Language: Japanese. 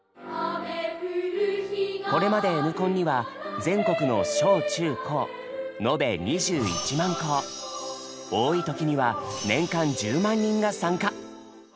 これまで「Ｎコン」には全国の小・中・高多い時には年間１０万人が参加。